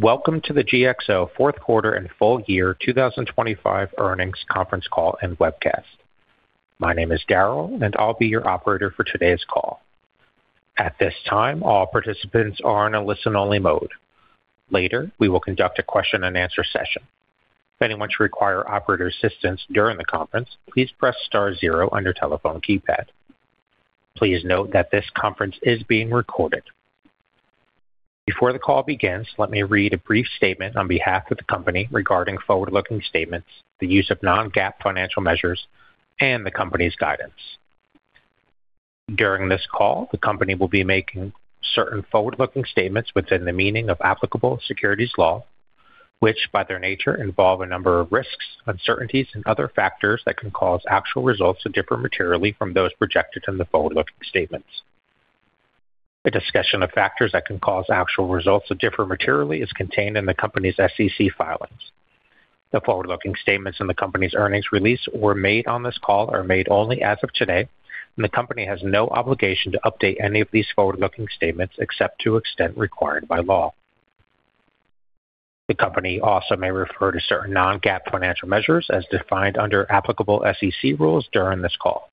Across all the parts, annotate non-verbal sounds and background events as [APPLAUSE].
Welcome to the GXO fourth quarter and full-year 2025 earnings conference call and webcast. My name is Daryl, and I'll be your operator for today's call. At this time, all participants are in a listen-only mode. Later, we will conduct a question-and-answer session. If anyone should require operator assistance during the conference, please press star zero on your telephone keypad. Please note that this conference is being recorded. Before the call begins, let me read a brief statement on behalf of the company regarding forward-looking statements, the use of non-GAAP financial measures, and the company's guidance. During this call, the company will be making certain forward-looking statements within the meaning of applicable securities law, which, by their nature, involve a number of risks, uncertainties, and other factors that can cause actual results to differ materially from those projected in the forward-looking statements. A discussion of factors that can cause actual results to differ materially is contained in the company's SEC filings. The forward-looking statements in the company's earnings release and made on this call are made only as of today, and the company has no obligation to update any of these forward-looking statements except to the extent required by law. The company also may refer to certain non-GAAP financial measures as defined under applicable SEC rules during this call.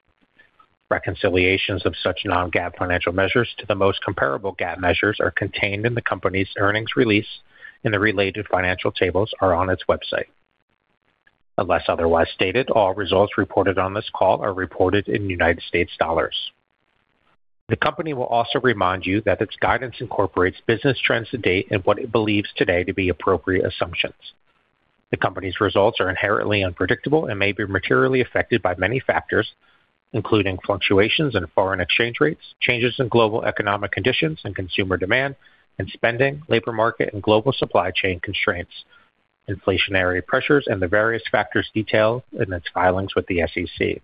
Reconciliations of such non-GAAP financial measures to the most comparable GAAP measures are contained in the company's earnings release, and the related financial tables are on its website. Unless otherwise stated, all results reported on this call are reported in United States dollars. The company will also remind you that its guidance incorporates business trends to date and what it believes today to be appropriate assumptions. The company's results are inherently unpredictable and may be materially affected by many factors, including fluctuations in foreign exchange rates, changes in global economic conditions and consumer demand and spending, labor market and global supply chain constraints, inflationary pressures, and the various factors detailed in its filings with the SEC.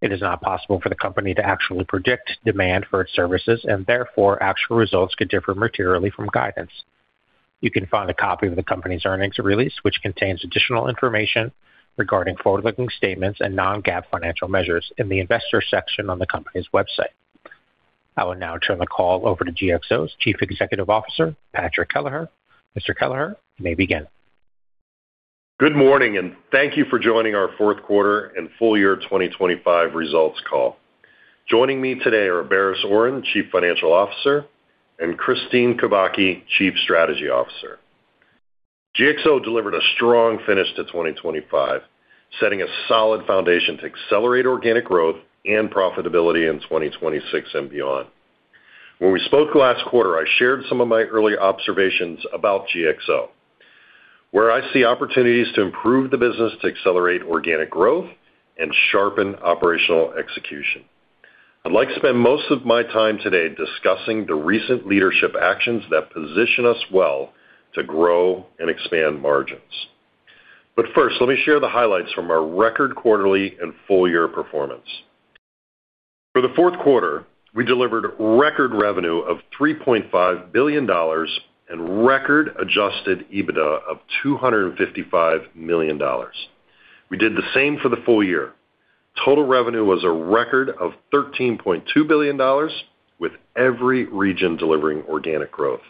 It is not possible for the company to actually predict demand for its services, and therefore, actual results could differ materially from guidance. You can find a copy of the company's earnings release, which contains additional information regarding forward-looking statements and non-GAAP financial measures in the investor section on the company's website. I will now turn the call over to GXO's Chief Executive Officer, Patrick Kelleher. Mr. Kelleher, you may begin. Good morning, and thank you for joining our fourth quarter and full-year 2025 results call. Joining me today are Baris Oran, Chief Financial Officer, and Kristine Kubacki, Chief Strategy Officer. GXO delivered a strong finish to 2025, setting a solid foundation to accelerate organic growth and profitability in 2026 and beyond. When we spoke last quarter, I shared some of my early observations about GXO, where I see opportunities to improve the business, to accelerate organic growth and sharpen operational execution. I'd like to spend most of my time today discussing the recent leadership actions that position us well to grow and expand margins. But first, let me share the highlights from our record quarterly and full-year performance. For the fourth quarter, we delivered record revenue of $3.5 billion and record adjusted EBITDA of $255 million. We did the same for the full-year. Total revenue was a record of $13.2 billion, with every region delivering organic growth.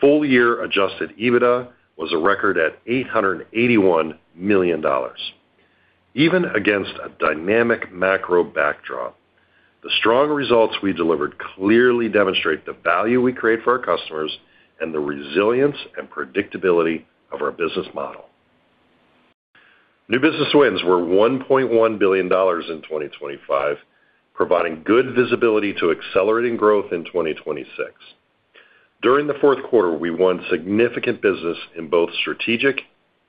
Full-year Adjusted EBITDA was a record at $881 million. Even against a dynamic macro backdrop, the strong results we delivered clearly demonstrate the value we create for our customers and the resilience and predictability of our business model. New business wins were $1.1 billion in 2025, providing good visibility to accelerating growth in 2026. During the fourth quarter, we won significant business in both strategic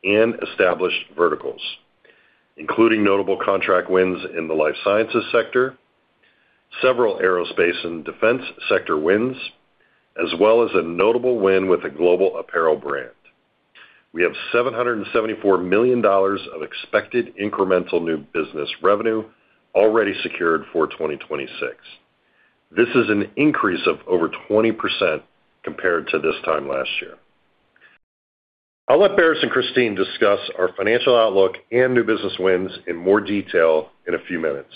and established verticals, including notable contract wins in the life sciences sector, several aerospace and defense sector wins, as well as a notable win with a global apparel brand. We have $774 million of expected incremental new business revenue already secured for 2026. This is an increase of over 20% compared to this time last year. I'll let Baris and Kristine discuss our financial outlook and new business wins in more detail in a few minutes.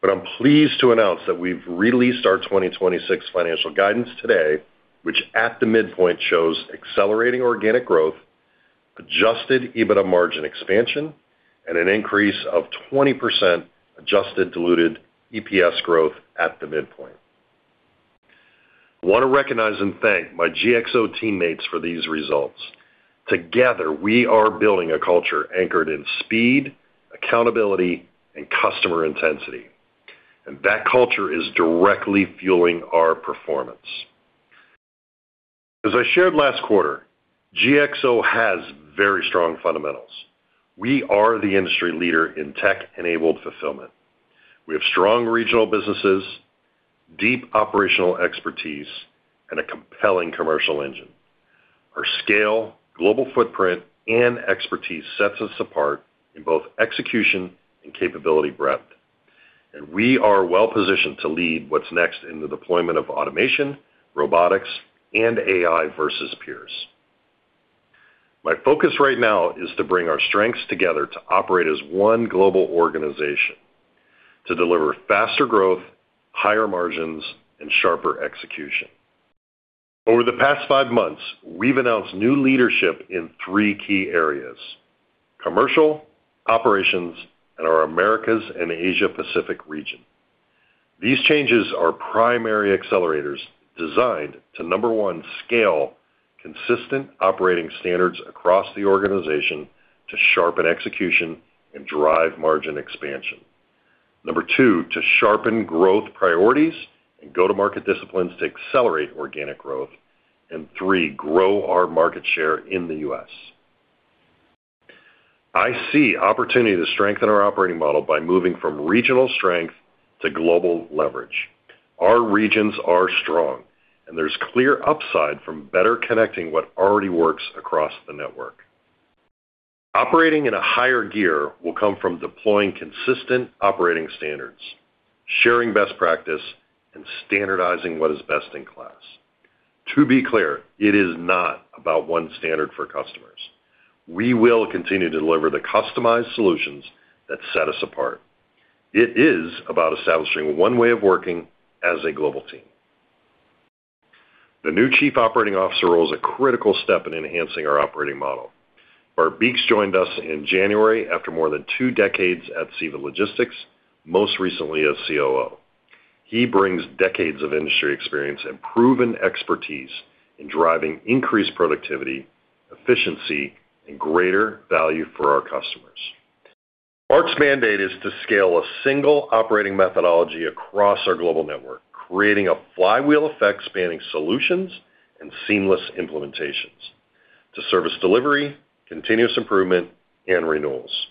But I'm pleased to announce that we've released our 2026 financial guidance today, which at the midpoint, shows accelerating organic growth, Adjusted EBITDA margin expansion, and an increase of 20% Adjusted Diluted EPS growth at the midpoint. I want to recognize and thank my GXO teammates for these results. Together, we are building a culture anchored in speed, accountability, and customer intensity, and that culture is directly fueling our performance. As I shared last quarter, GXO has very strong fundamentals. We are the industry leader in tech-enabled fulfillment. We have strong regional businesses, deep operational expertise, and a compelling commercial engine. Our scale, global footprint, and expertise sets us apart in both execution and capability breadth, and we are well positioned to lead what's next in the deployment of automation, robotics, and AI versus peers. My focus right now is to bring our strengths together to operate as one global organization, to deliver faster growth, higher margins, and sharper execution. Over the past five months, we've announced new leadership in three key areas: commercial, operations, and our Americas and Asia Pacific region. These changes are primary accelerators designed to, number one, scale consistent operating standards across the organization to sharpen execution and drive margin expansion. Number two, to sharpen growth priorities and go-to-market disciplines to accelerate organic growth. And three, grow our market share in the U.S. I see opportunity to strengthen our operating model by moving from regional strength to global leverage. Our regions are strong, and there's clear upside from better connecting what already works across the network. Operating in a higher gear will come from deploying consistent operating standards, sharing best practice, and standardizing what is best in class. To be clear, it is not about one standard for customers. We will continue to deliver the customized solutions that set us apart. It is about establishing one way of working as a global team. The new Chief Operating Officer role is a critical step in enhancing our operating model. Bart Beeks joined us in January after more than two decades at CEVA Logistics, most recently as COO. He brings decades of industry experience and proven expertise in driving increased productivity, efficiency, and greater value for our customers. Bart's mandate is to scale a single operating methodology across our global network, creating a flywheel effect spanning solutions and seamless implementations to service delivery, continuous improvement, and renewals.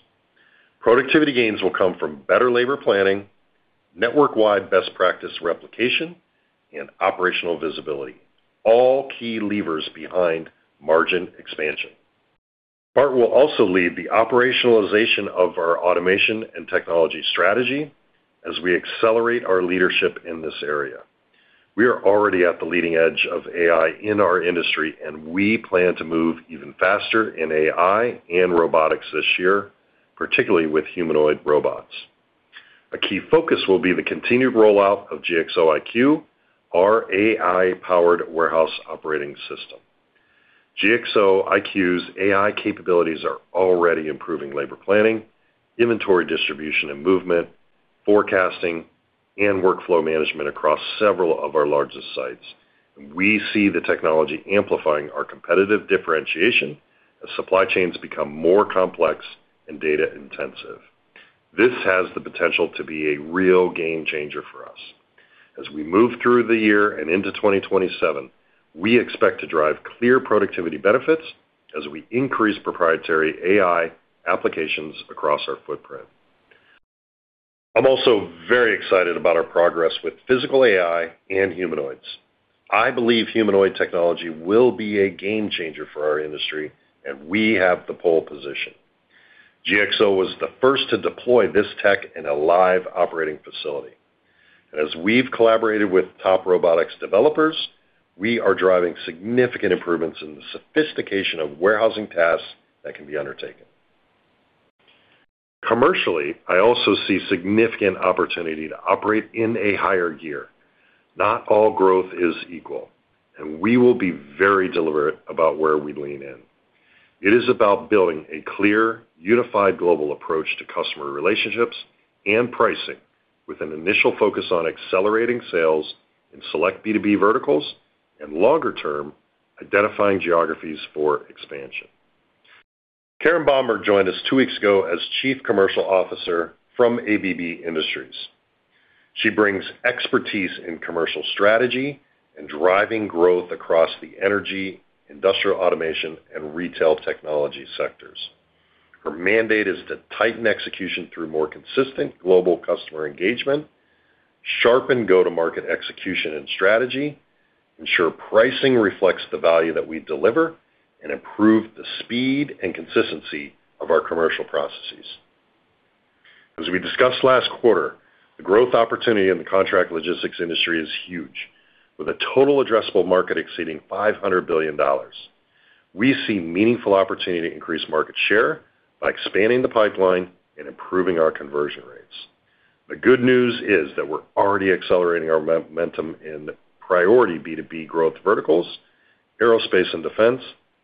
Productivity gains will come from better labor planning, network-wide best practice replication, and operational visibility, all key levers behind margin expansion. Bart will also lead the operationalization of our automation and technology strategy as we accelerate our leadership in this area. We are already at the leading edge of AI in our industry, and we plan to move even faster in AI and robotics this year, particularly with humanoid robots. A key focus will be the continued rollout of GXO IQ, our AI-powered warehouse operating system. GXO IQ's AI capabilities are already improving labor planning, inventory distribution and movement, forecasting, and workflow management across several of our largest sites. We see the technology amplifying our competitive differentiation as supply chains become more complex and data intensive. This has the potential to be a real game changer for us. As we move through the year and into 2027, we expect to drive clear productivity benefits as we increase proprietary AI applications across our footprint. I'm also very excited about our progress with physical AI and humanoids. I believe humanoid technology will be a game changer for our industry, and we have the pole position. GXO was the first to deploy this tech in a live operating facility. As we've collaborated with top robotics developers, we are driving significant improvements in the sophistication of warehousing tasks that can be undertaken. Commercially, I also see significant opportunity to operate in a higher gear. Not all growth is equal, and we will be very deliberate about where we lean in. It is about building a clear, unified global approach to customer relationships and pricing, with an initial focus on accelerating sales in select B2B verticals and, longer term, identifying geographies for expansion. Karen Baumberg joined us two weeks ago as Chief Commercial Officer from ABB Industries. She brings expertise in commercial strategy and driving growth across the energy, industrial automation, and retail technology sectors. Her mandate is to tighten execution through more consistent global customer engagement, sharpen go-to-market execution and strategy, ensure pricing reflects the value that we deliver, and improve the speed and consistency of our commercial processes. As we discussed last quarter, the growth opportunity in the contract logistics industry is huge, with a total addressable market exceeding $500 billion. We see meaningful opportunity to increase market share by expanding the pipeline and improving our conversion rates. The good news is that we're already accelerating our momentum in the priority B2B growth verticals, aerospace and defense,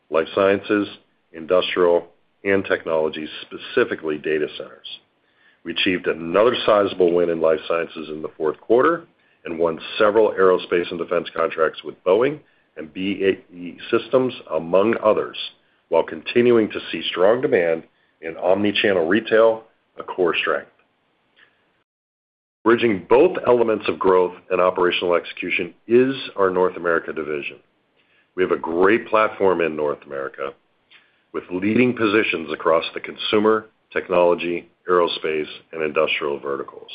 life sciences, industrial, and technology, specifically data centers. We achieved another sizable win in life sciences in the fourth quarter and won several aerospace and defense contracts with Boeing and BAE Systems, among others, while continuing to see strong demand in omni-channel retail, a core strength. Bridging both elements of growth and operational execution is our North America division. We have a great platform in North America, with leading positions across the consumer, technology, aerospace, and industrial verticals.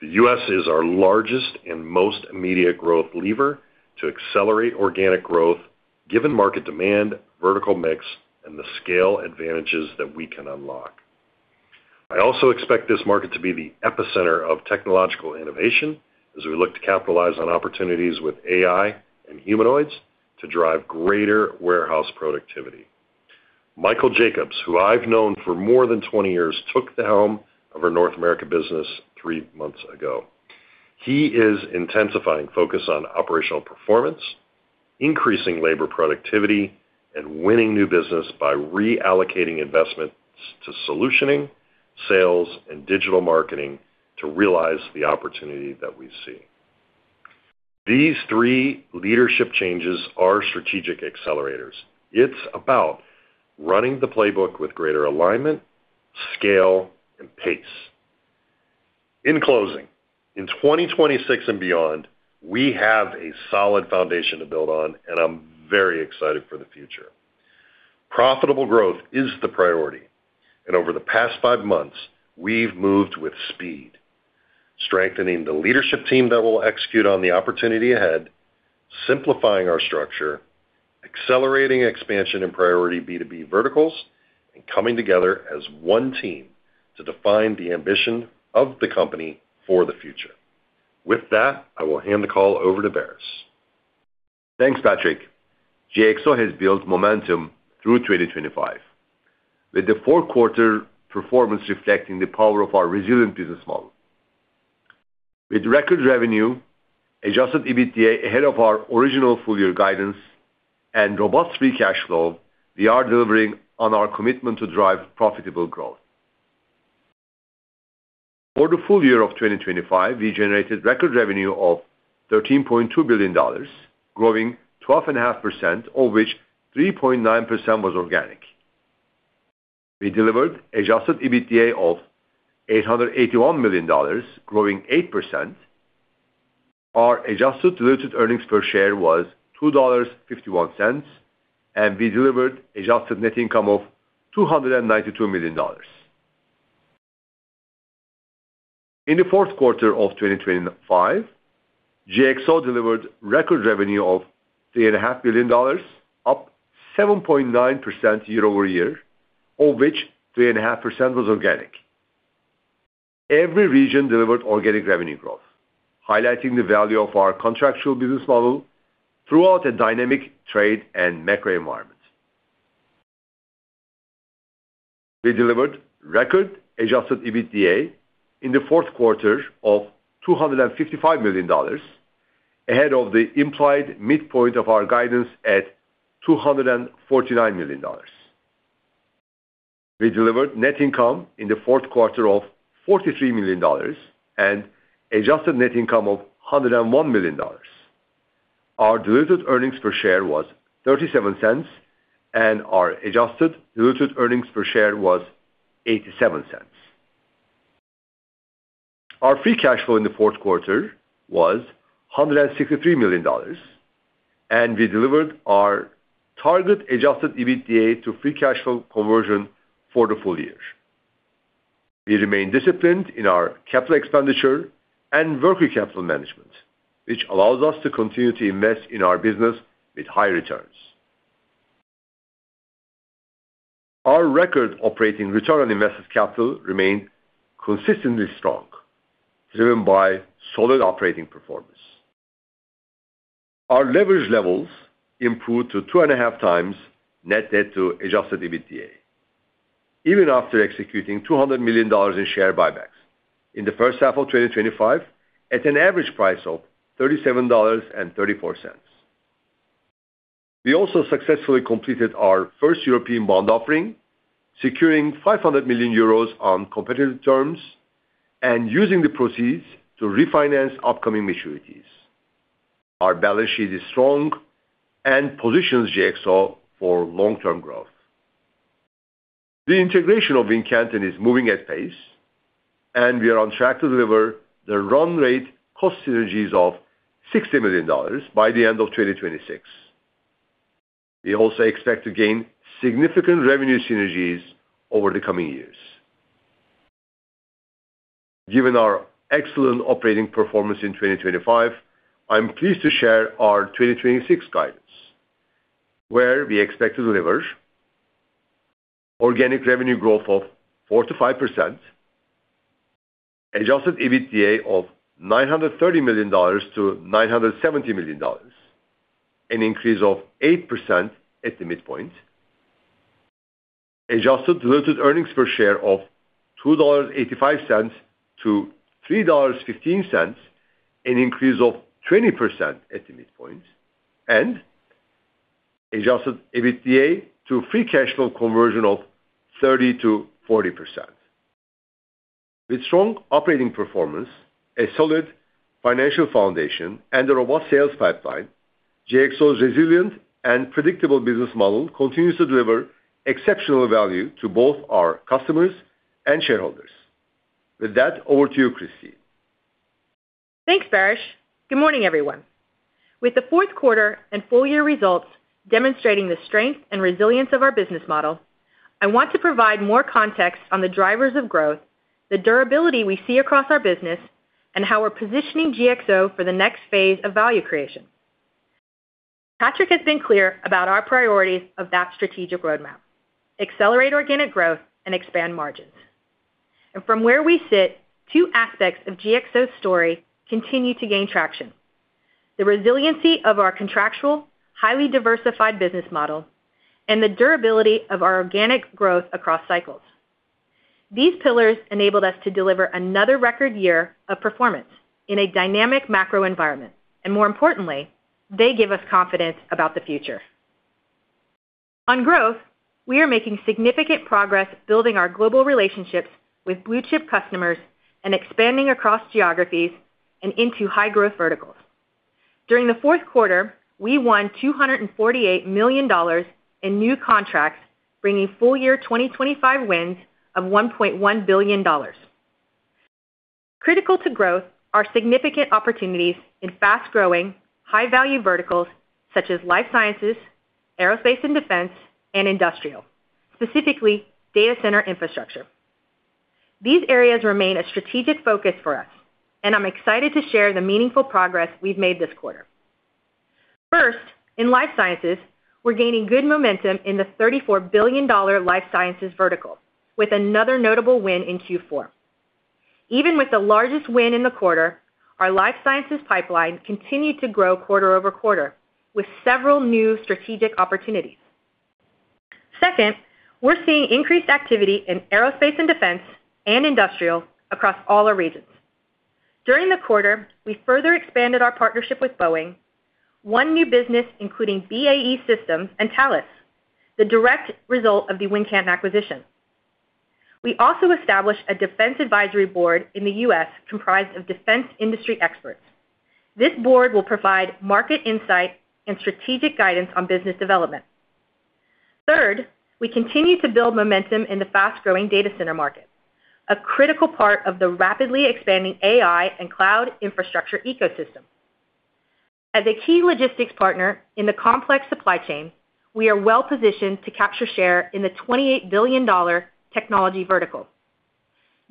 The U.S. is our largest and most immediate growth lever to accelerate organic growth, given market demand, vertical mix, and the scale advantages that we can unlock. I also expect this market to be the epicenter of technological innovation as we look to capitalize on opportunities with AI and humanoids to drive greater warehouse productivity. Michael Jacobs, who I've known for more than 20 years, took the helm of our North America business three months ago. He is intensifying focus on operational performance, increasing labor productivity, and winning new business by reallocating investments to solutioning, sales, and digital marketing to realize the opportunity that we see. These three leadership changes are strategic accelerators. It's about running the playbook with greater alignment, scale, and pace. In closing, in 2026 and beyond, we have a solid foundation to build on, and I'm very excited for the future. Profitable growth is the priority, and over the past five months, we've moved with speed, strengthening the leadership team that will execute on the opportunity ahead, simplifying our structure, accelerating expansion in priority B2B verticals, and coming together as one team to define the ambition of the company for the future. With that, I will hand the call over to Baris. Thanks, Patrick. GXO has built momentum through 2025, with the fourth quarter performance reflecting the power of our resilient business model. With record revenue, Adjusted EBITDA ahead of our original full-year guidance, and robust Free Cash Flow, we are delivering on our commitment to drive profitable growth. For the full-year of 2025, we generated record revenue of $13.2 billion, growing 12.5%, of which 3.9% was organic. We delivered Adjusted EBITDA of $881 million, growing 8%. Our Adjusted Diluted Earnings Per Share was $2.51, and we delivered Adjusted Net Income of $292 million. In the fourth quarter of 2025, GXO delivered record revenue of $3.5 billion, up 7.9% year-over-year, of which 3.5% was organic. Every region delivered organic revenue growth, highlighting the value of our contractual business model throughout a dynamic trade and macro environment. We delivered record adjusted EBITDA in the fourth quarter of $255 million, ahead of the implied midpoint of our guidance at $249 million. We delivered net income in the fourth quarter of $43 million and adjusted net income of $101 million. Our diluted earnings per share was $0.37, and our adjusted diluted earnings per share was $0.87. Our Free Cash Flow in the fourth quarter was $163 million, and we delivered our target Adjusted EBITDA to Free Cash Flow conversion for the full-year. We remain disciplined in our capital expenditure and working capital management, which allows us to continue to invest in our business with high returns. Our record operating Return on Invested Capital remained consistently strong, driven by solid operating performance. Our leverage levels improved to 2.5x net debt to Adjusted EBITDA, even after executing $200 million in share buybacks in the first half of 2025, at an average price of $37.34. We also successfully completed our first European bond offering, securing 500 million euros on competitive terms and using the proceeds to refinance upcoming maturities. Our balance sheet is strong and positions GXO for long-term growth. The integration of Wincanton is moving at pace, and we are on track to deliver the run rate cost synergies of $60 million by the end of 2026. We also expect to gain significant revenue synergies over the coming years. Given our excellent operating performance in 2025, I'm pleased to share our 2026 guidance, where we expect to deliver organic revenue growth of 4%-5%, Adjusted EBITDA of $930 million-$970 million, an increase of 8% at the midpoint. Adjusted Diluted Earnings Per Share of $2.85-$3.15, an increase of 20% at the midpoint, and Adjusted EBITDA to Free Cash Flow conversion of 30%-40%. With strong operating performance, a solid financial foundation, and a robust sales pipeline, GXO's resilient and predictable business model continues to deliver exceptional value to both our customers and shareholders. With that, over to you, Kristine. Thanks, Baris. Good morning, everyone. With the fourth quarter and full-year results demonstrating the strength and resilience of our business model, I want to provide more context on the drivers of growth, the durability we see across our business, and how we're positioning GXO for the next phase of value creation. Patrick has been clear about our priorities of that strategic roadmap: accelerate organic growth and expand margins. From where we sit, two aspects of GXO's story continue to gain traction: the resiliency of our contractual, highly diversified business model and the durability of our organic growth across cycles. These pillars enabled us to deliver another record year of performance in a dynamic macro environment, and more importantly, they give us confidence about the future. On growth, we are making significant progress building our global relationships with blue-chip customers and expanding across geographies and into high-growth verticals. During the fourth quarter, we won $248 million in new contracts, bringing full-year 2025 wins of $1.1 billion. Critical to growth are significant opportunities in fast-growing, high-value verticals such as life sciences, aerospace and defense, and industrial, specifically data center infrastructure. These areas remain a strategic focus for us, and I'm excited to share the meaningful progress we've made this quarter. First, in life sciences, we're gaining good momentum in the $34 billion life sciences vertical, with another notable win in Q4. Even with the largest win in the quarter, our life sciences pipeline continued to grow quarter-over-quarter, with several new strategic opportunities. Second, we're seeing increased activity in aerospace and defense and industrial across all our regions. During the quarter, we further expanded our partnership with Boeing, won new business, including BAE Systems and Thales, the direct result of the Wincanton acquisition. We also established a defense advisory board in the U.S., comprised of defense industry experts. This board will provide market insight and strategic guidance on business development. Third, we continue to build momentum in the fast-growing data center market, a critical part of the rapidly expanding AI and cloud infrastructure ecosystem. As a key logistics partner in the complex supply chain, we are well positioned to capture share in the $28 billion technology vertical.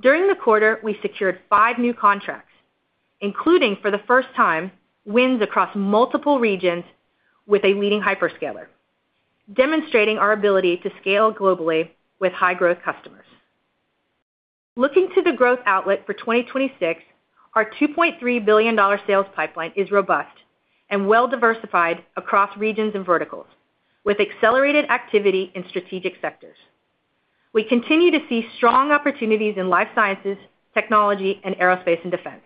During the quarter, we secured five new contracts, including, for the first time, wins across multiple regions with a leading hyperscaler, demonstrating our ability to scale globally with high-growth customers. Looking to the growth outlook for 2026, our $2.3 billion sales pipeline is robust and well-diversified across regions and verticals, with accelerated activity in strategic sectors. We continue to see strong opportunities in life sciences, technology, and aerospace and defense.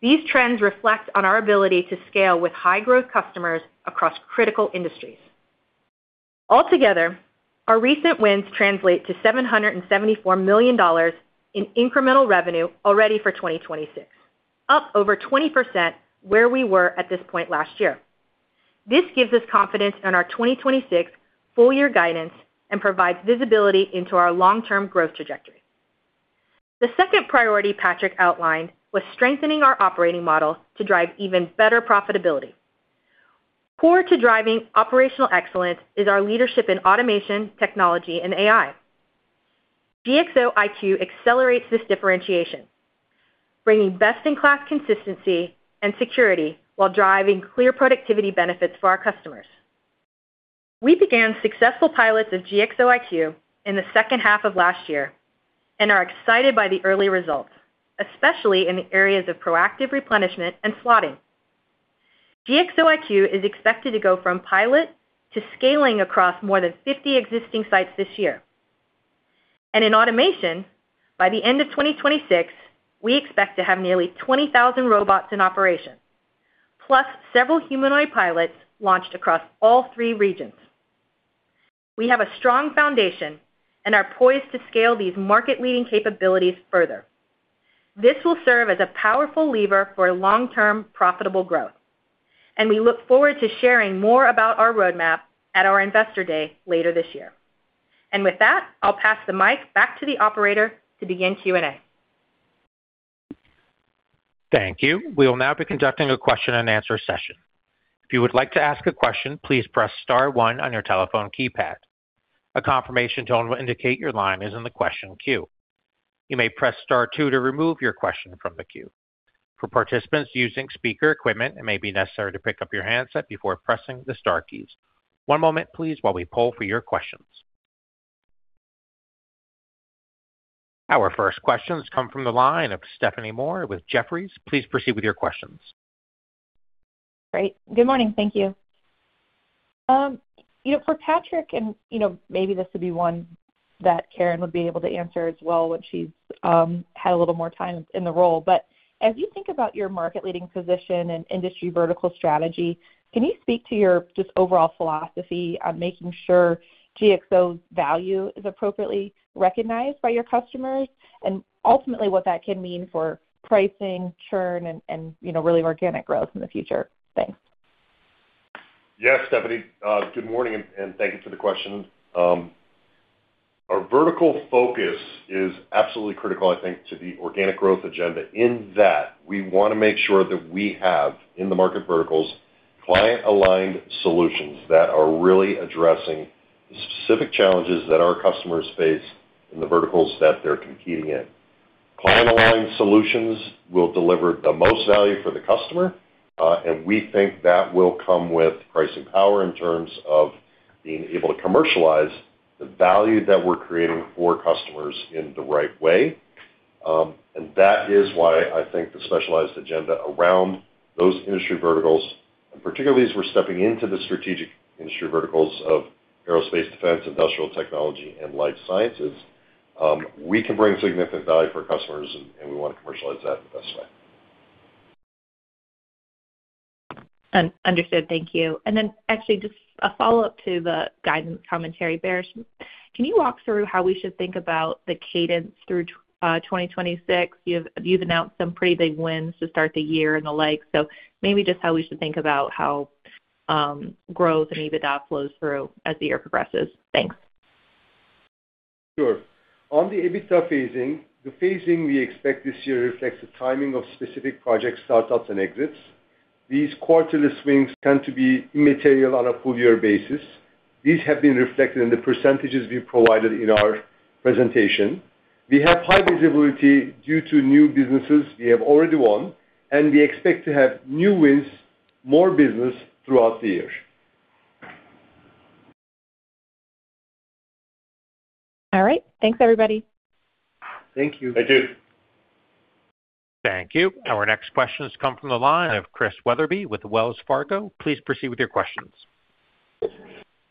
These trends reflect on our ability to scale with high-growth customers across critical industries. Altogether, our recent wins translate to $774 million in incremental revenue already for 2026, up over 20% where we were at this point last year. This gives us confidence in our 2026 full-year guidance and provides visibility into our long-term growth trajectory. The second priority Patrick outlined was strengthening our operating model to drive even better profitability. Core to driving operational excellence is our leadership in automation, technology, and AI. GXO IQ accelerates this differentiation, bringing best-in-class consistency and security while driving clear productivity benefits for our customers. We began successful pilots of GXO IQ in the second half of last year and are excited by the early results, especially in the areas of proactive replenishment and slotting. GXO IQ is expected to go from pilot to scaling across more than 50 existing sites this year. In automation, by the end of 2026, we expect to have nearly 20,000 robots in operation, plus several humanoid pilots launched across all three regions. We have a strong foundation and are poised to scale these market-leading capabilities further. This will serve as a powerful lever for long-term, profitable growth, and we look forward to sharing more about our roadmap at our Investor Day later this year. With that, I'll pass the mic back to the operator to begin Q&A. Thank you. We will now be conducting a question-and-answer session. If you would like to ask a question, please press star one on your telephone keypad. A confirmation tone will indicate your line is in the question queue. You may press star two to remove your question from the queue. For participants using speaker equipment, it may be necessary to pick up your handset before pressing the star keys. One moment, please, while we poll for your questions. Our first questions come from the line of Stephanie Moore with Jefferies. Please proceed with your questions. Great. Good morning. Thank you. You know, for Patrick, and, you know, maybe this would be one that Karen would be able to answer as well when she's had a little more time in the role, but as you think about your market-leading position and industry vertical strategy, can you speak to your just overall philosophy on making sure GXO's value is appropriately recognized by your customers, and ultimately, what that can mean for pricing, churn and, and, you know, really organic growth in the future? Thanks. Yes, Stephanie. Good morning, and thank you for the question. Our vertical focus is absolutely critical, I think, to the organic growth agenda, in that we want to make sure that we have, in the market verticals, client-aligned solutions that are really addressing specific challenges that our customers face in the verticals that they're competing in. Client-aligned solutions will deliver the most value for the customer, and we think that will come with pricing power in terms of being able to commercialize the value that we're creating for customers in the right way. That is why I think the specialized agenda around those industry verticals, and particularly as we're stepping into the strategic industry verticals of aerospace, defense, industrial technology, and life sciences, we can bring significant value for customers, and we want to commercialize that in the best way. Understood. Thank you. Then actually just a follow-up to the guidance commentary, Baris. Can you walk through how we should think about the cadence through 2026? You've announced some pretty big wins to start the year and the like. So maybe just how we should think about how growth and EBITDA flows through as the year progresses. Thanks. Sure. On the EBITDA phasing, the phasing we expect this year reflects the timing of specific project startups and exits. These quarterly swings tend to be immaterial on a full-year basis. These have been reflected in the percentages we provided in our presentation. We have high visibility due to new businesses we have already won, and we expect to have new wins, more business throughout the year. All right. Thanks, everybody. Thank you. Thank you. Thank you. Our next question has come from the line of Chris Wetherbee with Wells Fargo. Please proceed with your questions.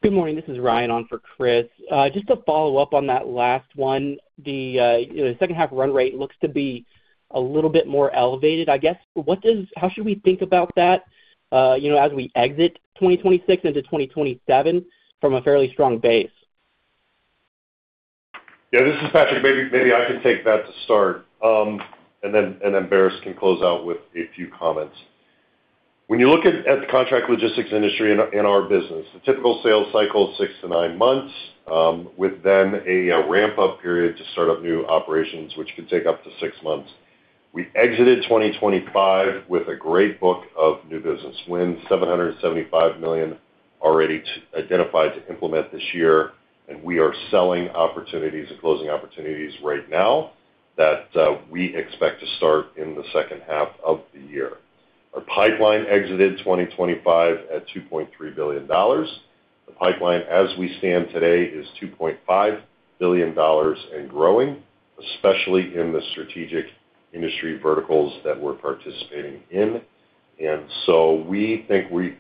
Good morning. This is Ryan on for Chris. Just to follow up on that last one, you know, the second half run rate looks to be a little bit more elevated, I guess. What does, how should we think about that, you know, as we exit 2026 into 2027 from a fairly strong base? Yeah, this is Patrick. Maybe, maybe I can take that to start, and then, and then Baris can close out with a few comments. When you look at, at the contract logistics industry in our, in our business, the typical sales cycle is six to nine months, with then a, ramp-up period to start up new operations, which could take up to nine months. We exited 2025 with a great book of new business wins, $775 million already identified to implement this year, and we are selling opportunities and closing opportunities right now that, we expect to start in the second half of the year. Our pipeline exited 2025 at $2.3 billion. The pipeline, as we stand today, is $2.5 billion and growing, especially in the strategic industry verticals that we're participating in. And so we think we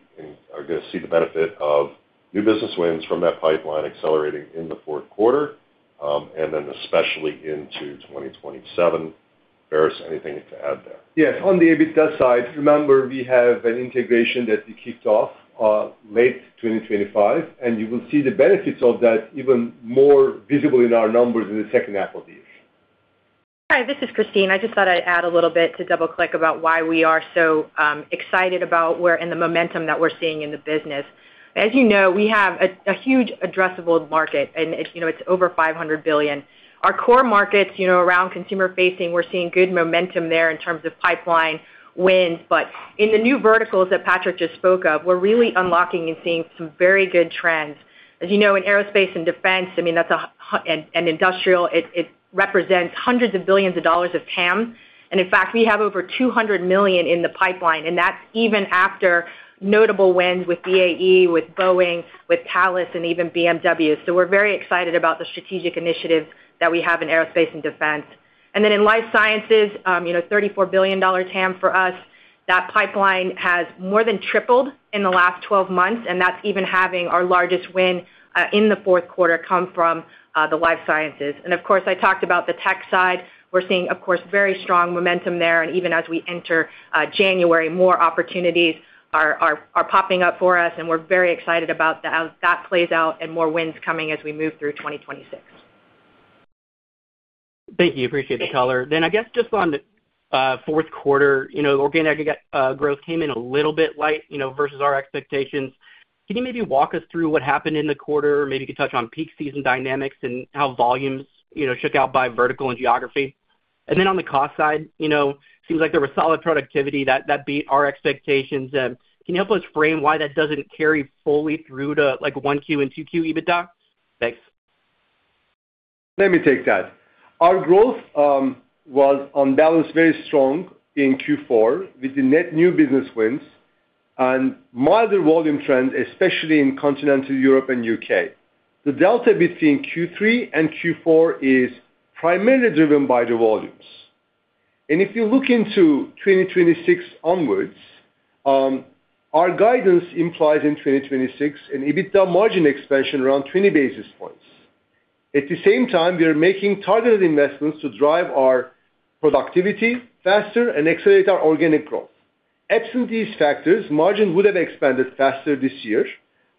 are gonna see the benefit of new business wins from that pipeline accelerating in the fourth quarter, and then especially into 2027. Baris, anything to add there? Yes. On the EBITDA side, remember, we have an integration that we kicked off late 2025, and you will see the benefits of that even more visible in our numbers in the second half of the year. Hi, this is Kristine. I just thought I'd add a little bit to double-click about why we are so excited about where and the momentum that we're seeing in the business. As you know, we have a huge addressable market, and it, you know, it's over $500 billion. Our core markets, you know, around consumer-facing, we're seeing good momentum there in terms of pipeline wins. In the new verticals that Patrick just spoke of, we're really unlocking and seeing some very good trends. As you know, in aerospace and defense, I mean, that's a [INAUDIBLE] and industrial, it represents hundreds of billions of dollars of TAM. In fact, we have over $200 million in the pipeline, and that's even after notable wins with BAE Systems, with Boeing, with Thales, and even BMW. So we're very excited about the strategic initiative that we have in aerospace and defense. And then in life sciences, you know, $34 billion TAM for us, that pipeline has more than tripled in the last 12 months, and that's even having our largest win in the fourth quarter come from the life sciences. And of course, I talked about the tech side. We're seeing, of course, very strong momentum there, and even as we enter January, more opportunities are popping up for us, and we're very excited about that as that plays out and more wins coming as we move through 2026. Thank you. Appreciate the color. Then, I guess, just on the fourth quarter, you know, organic growth came in a little bit light, you know, versus our expectations. Can you maybe walk us through what happened in the quarter? Maybe you could touch on peak season dynamics and how volumes, you know, shook out by vertical and geography. And then on the cost side, you know, seems like there was solid productivity that beat our expectations. Can you help us frame why that doesn't carry fully through to, like, 1Q and 2Q EBITDA? Thanks. Let me take that. Our growth was on balance, very strong in Q4, with the net new business wins and milder volume trends, especially in Continental Europe and UK. The delta between Q3 and Q4 is primarily driven by the volumes. If you look into 2026 onwards, our guidance implies in 2026 an EBITDA margin expansion around 20 basis points. At the same time, we are making targeted investments to drive our productivity faster and accelerate our organic growth. Absent these factors, margin would have expanded faster this year,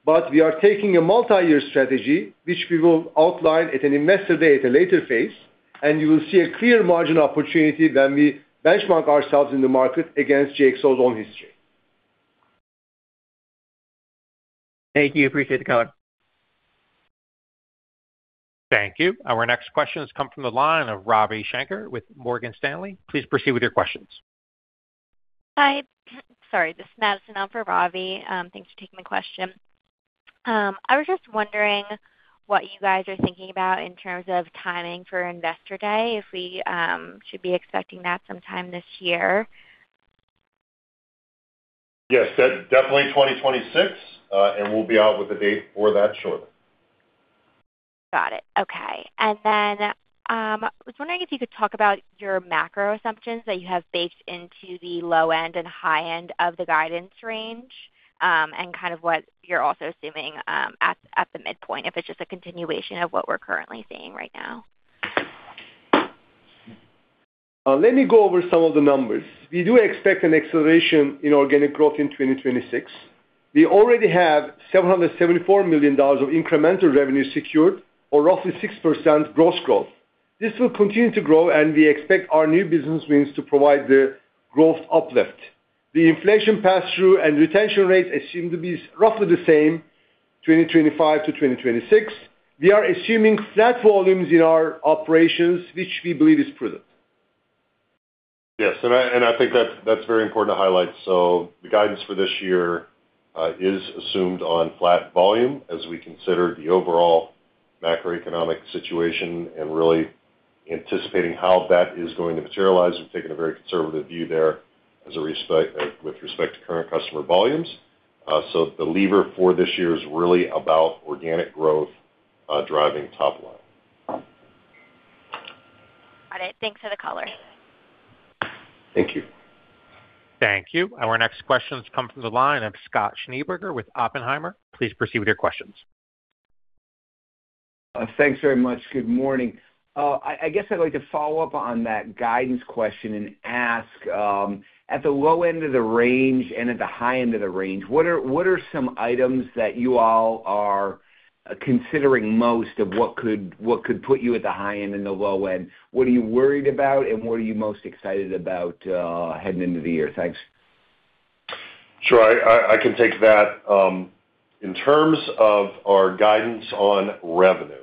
but we are taking a multi-year strategy, which we will outline at an investor day at a later phase, and you will see a clear margin opportunity when we benchmark ourselves in the market against GXO's own history. Thank you. Appreciate the comment. Thank you. Our next question has come from the line of Ravi Shanker with Morgan Stanley. Please proceed with your questions. Hi. Sorry, this is Madison on for Ravi. Thanks for taking my question. I was just wondering what you guys are thinking about in terms of timing for Investor Day, if we should be expecting that sometime this year? Yes, definitely 2026, and we'll be out with a date for that shortly. Got it. Okay. And then, I was wondering if you could talk about your macro assumptions that you have baked into the low end and high end of the guidance range, and kind of what you're also assuming, at the midpoint, if it's just a continuation of what we're currently seeing right now? Let me go over some of the numbers. We do expect an acceleration in organic growth in 2026. We already have $774 million of incremental revenue secured or roughly 6% gross growth. This will continue to grow, and we expect our new business wins to provide the growth uplift. The inflation pass-through and retention rates seem to be roughly the same, 2025 to 2026. We are assuming flat volumes in our operations, which we believe is prudent. Yes, I think that's very important to highlight. So the guidance for this year is assumed on flat volume as we consider the overall macroeconomic situation and really anticipating how that is going to materialize. We've taken a very conservative view there with respect to current customer volumes. So the lever for this year is really about organic growth driving top line. Got it. Thanks for the color. Thank you. Thank you. Our next question has come from the line of Scott Schneeberger with Oppenheimer. Please proceed with your questions. Thanks very much. Good morning. I guess I'd like to follow up on that guidance question and ask, at the low end of the range and at the high end of the range, what are some items that you all are considering most of what could put you at the high end and the low end? What are you worried about, and what are you most excited about, heading into the year? Thanks. Sure. I can take that. In terms of our guidance on revenue,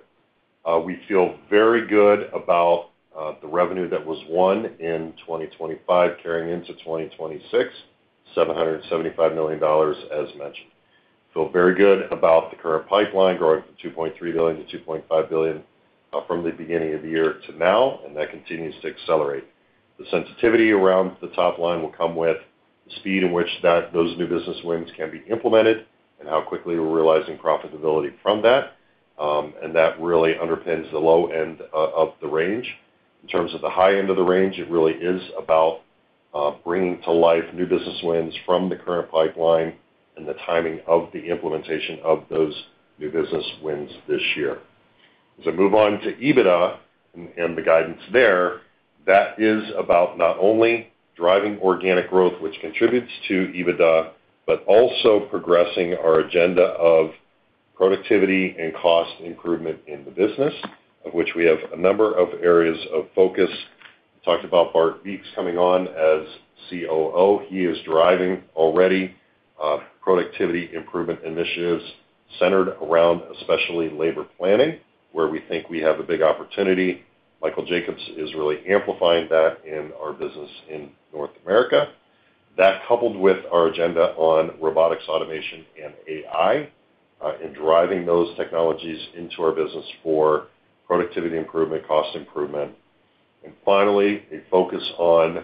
we feel very good about the revenue that was won in 2025 carrying into 2026, $775 million, as mentioned. Feel very good about the current pipeline growing from $2.3 billion-$2.5 billion from the beginning of the year to now, and that continues to accelerate. The sensitivity around the top line will come with the speed in which that- those new business wins can be implemented and how quickly we're realizing profitability from that. And that really underpins the low end of the range. In terms of the high end of the range, it really is about, bringing to life new business wins from the current pipeline and the timing of the implementation of those new business wins this year. As I move on to EBITDA and the guidance there, that is about not only driving organic growth, which contributes to EBITDA, but also progressing our agenda of productivity and cost improvement in the business, of which we have a number of areas of focus. Talked about Bart Beeks coming on as COO. He is driving already, productivity improvement initiatives centered around especially labor planning, where we think we have a big opportunity. Michael Jacobs is really amplifying that in our business in North America. That, coupled with our agenda on robotics, automation, and AI, and driving those technologies into our business for productivity improvement, cost improvement. Finally, a focus on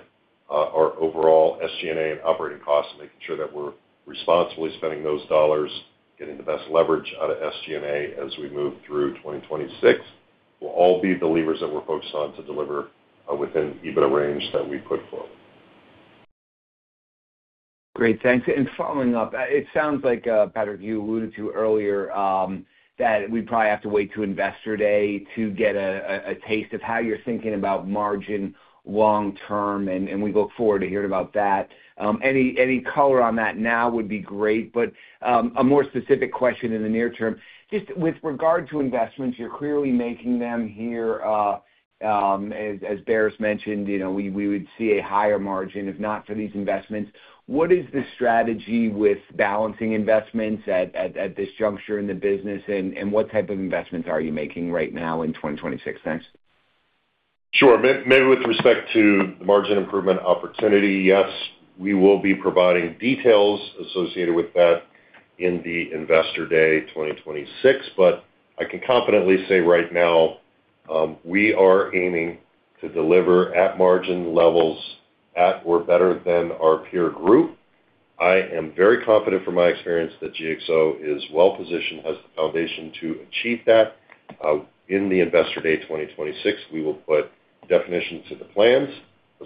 our overall SG&A and operating costs, making sure that we're responsibly spending those dollars, getting the best leverage out of SG&A as we move through 2026, will all be the levers that we're focused on to deliver within EBITDA range that we put forward. Great, thanks. And following up, it sounds like, Baris, you alluded to earlier, that we probably have to wait to Investor Day to get a taste of how you're thinking about margin long term, and we look forward to hearing about that. Any color on that now would be great, but a more specific question in the near term: just with regard to investments, you're clearly making them here, as Baris mentioned, you know, we would see a higher margin if not for these investments. What is the strategy with balancing investments at this juncture in the business, and what type of investments are you making right now in 2026? Thanks. Sure. Maybe with respect to the margin improvement opportunity, yes, we will be providing details associated with that in the Investor Day 2026. But I can confidently say right now, we are aiming to deliver at margin levels at or better than our peer group. I am very confident from my experience that GXO is well positioned, has the foundation to achieve that. In the Investor Day 2026, we will put definition to the plans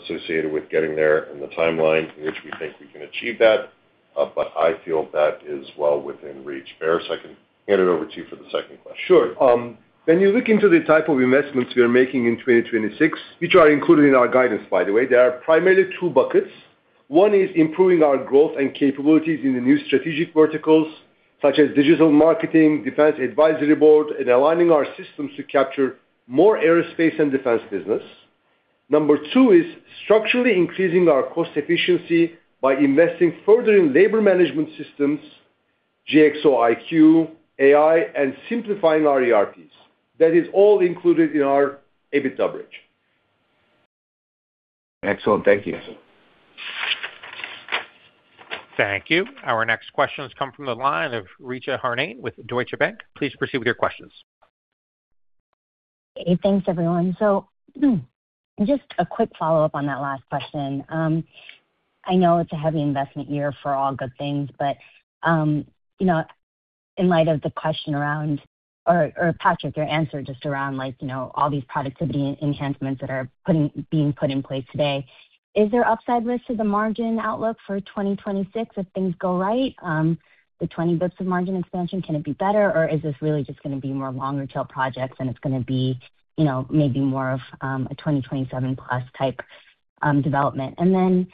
associated with getting there and the timeline in which we think we can achieve that, but I feel that is well within reach. Baris, I can hand it over to you for the second question. Sure. When you look into the type of investments we are making in 2026, which are included in our guidance, by the way, there are primarily two buckets. One is improving our growth and capabilities in the new strategic verticals, such as digital marketing, defense advisory board, and aligning our systems to capture more aerospace and defense business. Number two is structurally increasing our cost efficiency by investing further in labor management systems, GXO IQ, AI, and simplifying our ERPs. That is all included in our EBITDA bridge. Excellent. Thank you. Thank you. Our next question has come from the line of Richa Harne with Deutsche Bank. Please proceed with your questions. Hey, thanks, everyone. So just a quick follow-up on that last question. I know it's a heavy investment year for all good things, but, you know, in light of the question around or Patrick, your answer just around, like, you know, all these productivity enhancements that are being put in place today, is there upside risk to the margin outlook for 2026 if things go right? The 20 bits of margin expansion, can it be better, or is this really just gonna be more longer-tail projects, and it's gonna be, you know, maybe more of a 2027 plus type development? And then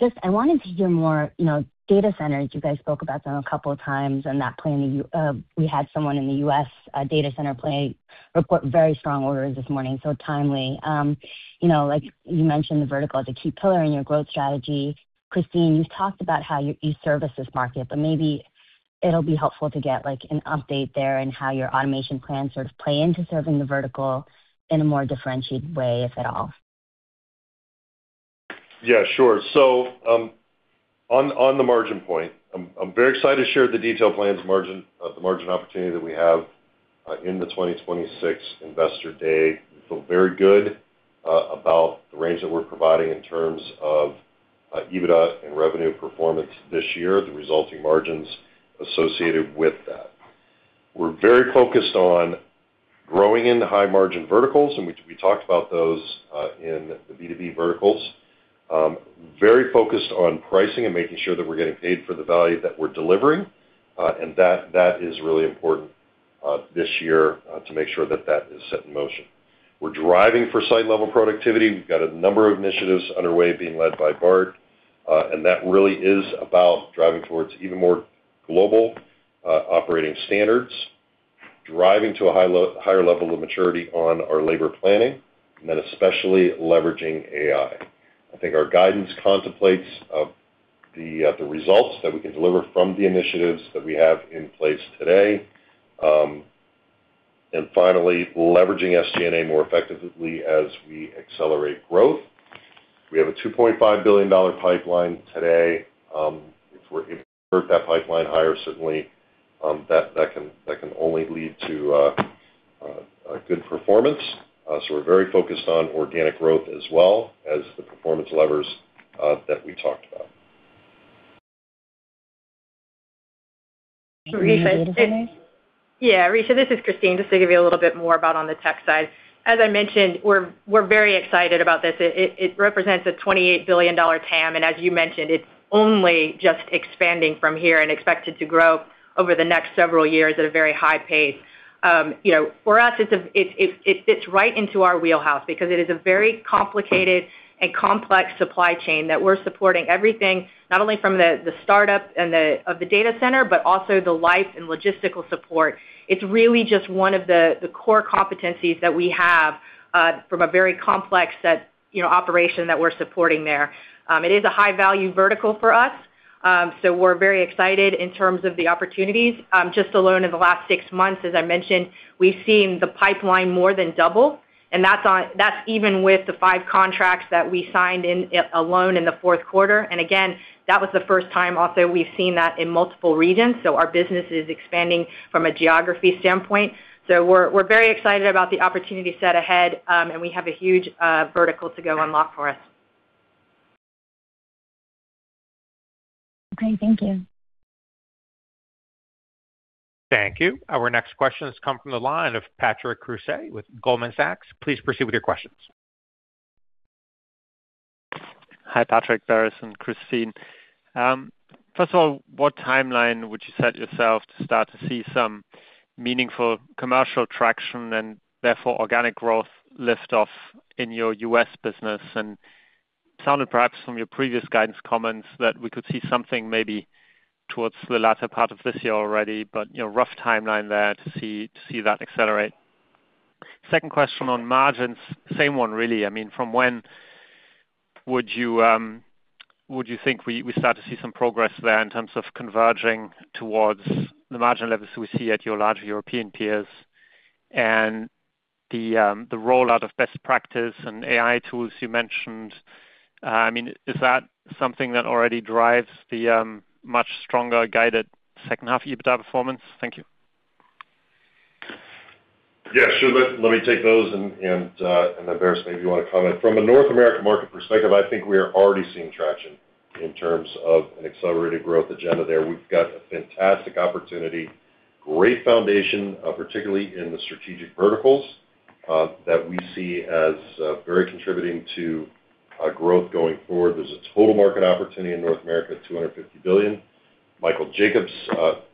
just I wanted to hear more, you know, data centers, you guys spoke about them a couple of times, and that plan, we had someone in the U.S., data center play report very strong orders this morning, so timely. You know, like you mentioned, the vertical is a key pillar in your growth strategy. Kristine, you've talked about how you eServices market, but maybe it'll be helpful to get, like, an update there and how your automation plans sort of play into serving the vertical in a more differentiated way, if at all. Yeah, sure. So, on the margin point, I'm very excited to share the detailed plans margin, the margin opportunity that we have, in the 2026 Investor Day. We feel very good about the range that we're providing in terms of EBITDA and revenue performance this year, the resulting margins associated with that. We're very focused on growing in the high-margin verticals, and we talked about those in the B2B verticals. Very focused on pricing and making sure that we're getting paid for the value that we're delivering, and that is really important this year to make sure that that is set in motion. We're driving for site level productivity. We've got a number of initiatives underway being led by Bart, and that really is about driving towards even more global operating standards, driving to a higher level of maturity on our labor planning, and then especially leveraging AI. I think our guidance contemplates the, the results that we can deliver from the initiatives that we have in place today. And finally, leveraging SG&A more effectively as we accelerate growth. We have a $2.5 billion pipeline today. If we convert that pipeline higher, certainly, that, that can, that can only lead to a good performance. So we're very focused on organic growth as well as the performance levers that we talked about. Yeah, Richa, this is Kristine, just to give you a little bit more about on the tech side. As I mentioned, we're very excited about this. It represents a $28 billion TAM, and as you mentioned, it's only just expanding from here and expected to grow over the next several years at a very high pace. You know, for us, it fits right into our wheelhouse because it is a very complicated and complex supply chain that we're supporting everything, not only from the startup and the of the data center, but also the life and logistical support. It's really just one of the core competencies that we have from a very complex set, you know, operation that we're supporting there. It is a high-value vertical for us, so we're very excited in terms of the opportunities. Just alone in the last six months, as I mentioned, we've seen the pipeline more than double, and that's even with the five contracts that we signed alone in the fourth quarter. And again, that was the first time also we've seen that in multiple regions, so our business is expanding from a geography standpoint. So we're very excited about the opportunity set ahead, and we have a huge vertical to go unlock for us. Okay, thank you. Thank you. Our next question has come from the line of Patrick Creuset with Goldman Sachs. Please proceed with your questions. Hi, Patrick, Baris, and Kristine. First of all, what timeline would you set yourself to start to see some meaningful commercial traction and therefore organic growth lift off in your US business? And sounded perhaps from your previous guidance comments, that we could see something maybe towards the latter part of this year already, but, you know, rough timeline there to see, to see that accelerate. Second question on margins, same one, really. I mean, from when would you think we start to see some progress there in terms of converging towards the margin levels we see at your larger European peers? And the rollout of best practice and AI tools you mentioned, I mean, is that something that already drives the much stronger guided second half EBITDA performance? Thank you. Yeah, sure. Let me take those and then Baris, maybe you want to comment. From a North American market perspective, I think we are already seeing traction in terms of an accelerated growth agenda there. We've got a fantastic opportunity, great foundation, particularly in the strategic verticals that we see as very contributing to growth going forward. There's a total market opportunity in North America, $250 billion. Michael Jacobs,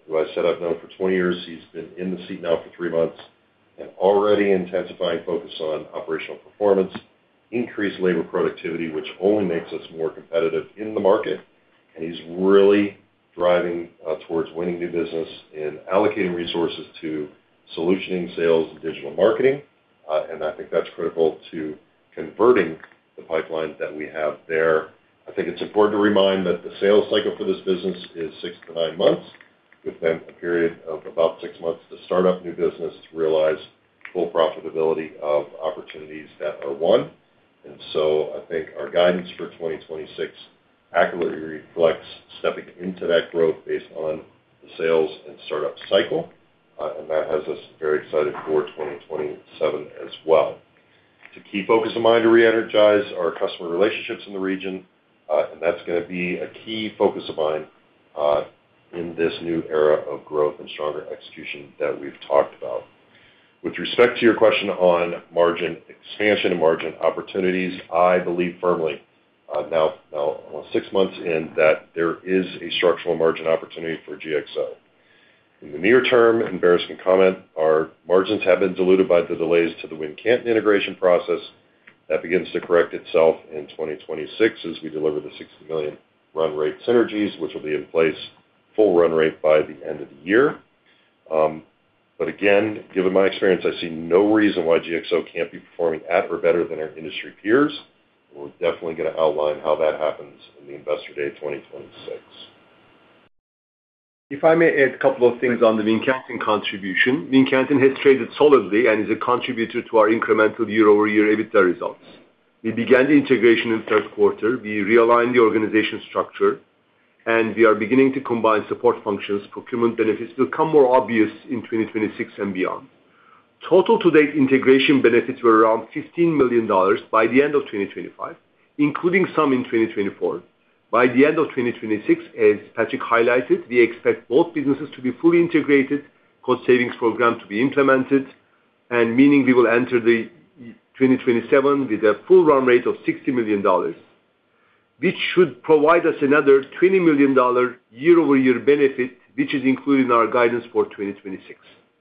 who I said I've known for 20 years, he's been in the seat now for 3 months, and already intensifying focus on operational performance, increased labor productivity, which only makes us more competitive in the market. And he's really driving towards winning new business and allocating resources to solutioning sales and digital marketing. And I think that's critical to converting the pipeline that we have there. I think it's important to remind that the sales cycle for this business is six to nine months, with then a period of about six months to start up new business to realize full profitability of opportunities that are won. And so I think our guidance for 2026 accurately reflects stepping into that growth based on the sales and startup cycle, and that has us very excited for 2027 as well. It's a key focus of mine to reenergize our customer relationships in the region, and that's gonna be a key focus of mine, in this new era of growth and stronger execution that we've talked about. With respect to your question on margin expansion and margin opportunities, I believe firmly, now, now almost six months in, that there is a structural margin opportunity for GXO. In the near term, and Baris can comment, our margins have been diluted by the delays to the Wincanton integration process. That begins to correct itself in 2026, as we deliver the $60 million run rate synergies, which will be in place full run rate by the end of the year. But again, given my experience, I see no reason why GXO can't be performing at or better than our industry peers. We're definitely gonna outline how that happens in the Investor Day 2026. If I may add a couple of things on the Wincanton contribution. Wincanton has traded solidly and is a contributor to our incremental year-over-year EBITDA results. We began the integration in the third quarter, we realigned the organization structure, and we are beginning to combine support functions. Procurement benefits will become more obvious in 2026 and beyond. Total to date, integration benefits were around $15 million by the end of 2025, including some in 2024. By the end of 2026, as Patrick highlighted, we expect both businesses to be fully integrated, cost savings program to be implemented, and meaning we will enter the 2027 with a full run rate of $60 million, which should provide us another $20 million year-over-year benefit, which is included in our guidance for 2026.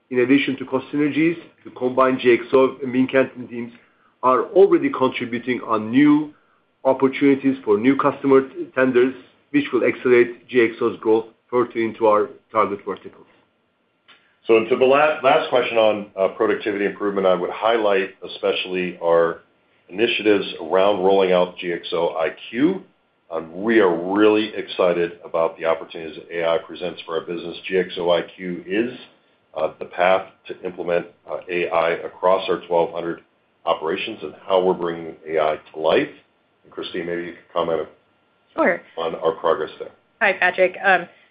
In addition to cost synergies, the combined GXO and Wincanton teams are already contributing on new opportunities for new customer tenders, which will accelerate GXO's growth further into our target verticals. So to the last, last question on productivity improvement, I would highlight especially our initiatives around rolling out GXO IQ. We are really excited about the opportunities that AI presents for our business. GXO IQ is the path to implement AI across our 1,200 operations and how we're bringing AI to life. Kristine, maybe you could comment. Sure. on our progress there. Hi, Patrick.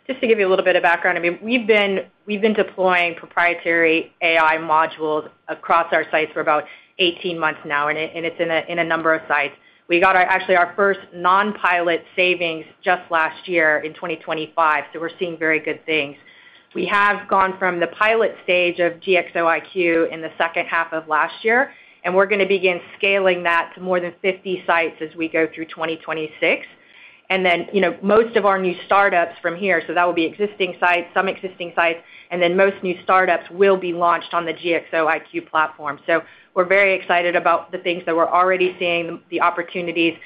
Just to give you a little bit of background, I mean, we've been deploying proprietary AI modules across our sites for about 18 months now, and it's in a number of sites. We got our, actually our first non-pilot savings just last year in 2025, so we're seeing very good things. We have gone from the pilot stage of GXO IQ in the second half of last year, and we're gonna begin scaling that to more than 50 sites as we go through 2026. And then, you know, most of our new startups from here, so that will be existing sites, some existing sites, and then most new startups will be launched on the GXO IQ platform. So we're very excited about the things that we're already seeing, the opportunities,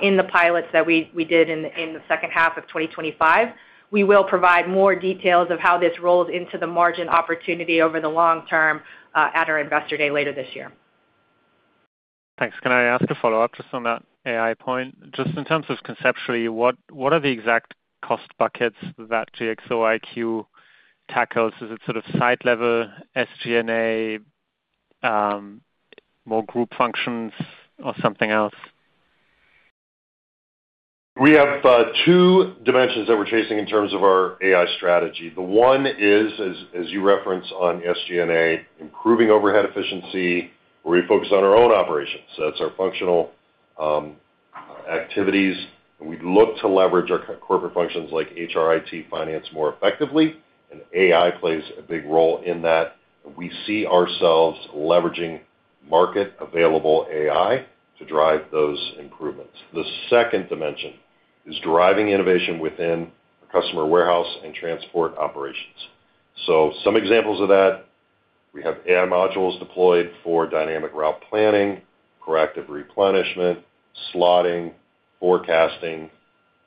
in the pilots that we did in the second half of 2025. We will provide more details of how this rolls into the margin opportunity over the long term, at our Investor Day later this year. Thanks. Can I ask a follow-up just on that AI point? Just in terms of conceptually, what, what are the exact cost buckets that GXO IQ tackles? Is it sort of site level, SG&A, more group functions or something else? We have two dimensions that we're chasing in terms of our AI strategy. The one is, as, as you referenced on SG&A, improving overhead efficiency, where we focus on our own operations. So that's our functional activities, and we look to leverage our corporate functions like HR, IT, finance, more effectively, and AI plays a big role in that. We see ourselves leveraging market available AI to drive those improvements. The second dimension is driving innovation within customer warehouse and transport operations. So some examples of that, we have AI modules deployed for dynamic route planning, proactive replenishment, slotting, forecasting.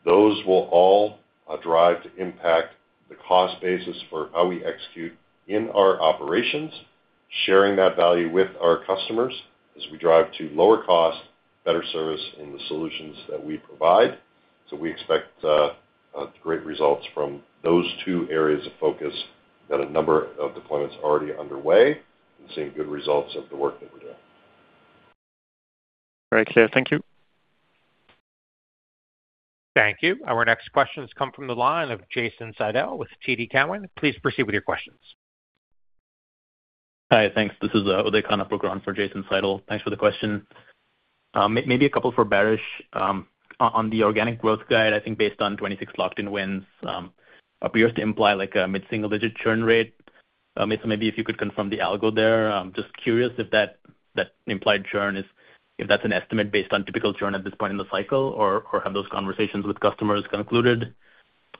Those will all drive to impact the cost basis for how we execute in our operations, sharing that value with our customers as we drive to lower cost, better service in the solutions that we provide. So we expect great results from those two areas of focus. Got a number of deployments already underway and seeing good results of the work that we're doing. Very clear. Thank you. Thank you. Our next question has come from the line of Jason Seidl with TD Cowen. Please proceed with your questions. Hi, thanks. This is Odai Khan operating for Jason Seidl. Thanks for the question. Maybe a couple for Baris. On the organic growth guide, I think based on 2026 locked-in wins, appears to imply like a mid-single-digit churn rate. So maybe if you could confirm the algo there. I'm just curious if that implied churn is, If that's an estimate based on typical churn at this point in the cycle, or have those conversations with customers concluded?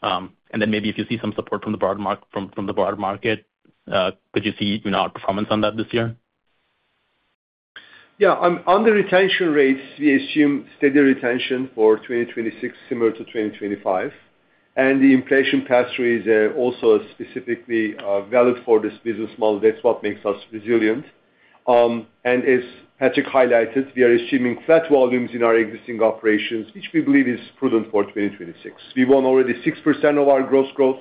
And then maybe if you see some support from the broad market, could you see, you know, outperformance on that this year? Yeah, on the retention rates, we assume steady retention for 2026, similar to 2025, and the inflation pass-through is also specifically valid for this business model. That's what makes us resilient. And as Patrick highlighted, we are assuming flat volumes in our existing operations, which we believe is prudent for 2026. We won already 6% of our gross growth,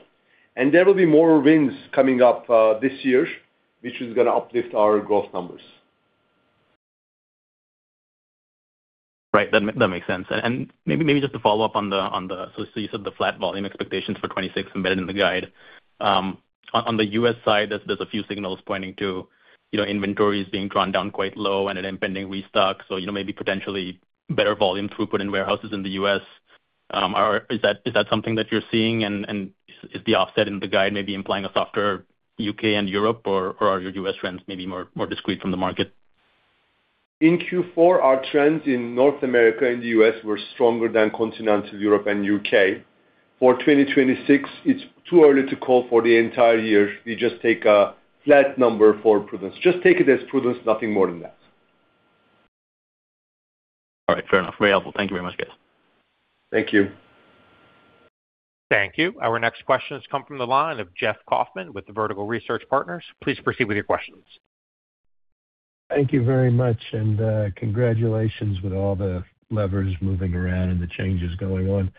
and there will be more wins coming up this year, which is gonna uplift our growth numbers. Right. That makes sense. And maybe just to follow up on the, so you said the flat volume expectations for 2026 embedded in the guide. On the U.S. side, there's a few signals pointing to, you know, inventories being drawn down quite low and an impending restock, so you know, maybe potentially better volume throughput in warehouses in the U.S. Is that something that you're seeing, and is the offset in the guide maybe implying a softer U.K. and Europe, or are your U.S. trends maybe more discrete from the market? In Q4, our trends in North America and the U.S. were stronger than Continental Europe and U.K. For 2026, it's too early to call for the entire year. We just take a flat number for prudence. Just take it as prudence, nothing more than that. All right. Fair enough. Very helpful. Thank you very much, guys. Thank you. Thank you. Our next question has come from the line of Jeff Kauffman with Vertical Research Partners. Please proceed with your questions. Thank you very much, and, congratulations with all the levers moving around and the changes going on.